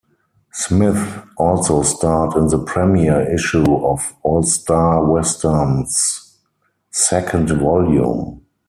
Smith also starred in the premiere issue of "All-Star Western's" second volume.